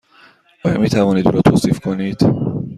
آیا می توانید او را توصیف کنید؟